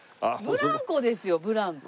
ブランコですよブランコ。